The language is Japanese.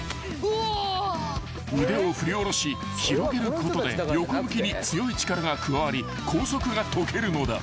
［腕を振り下ろし広げることで横向きに強い力が加わり拘束が解けるのだ］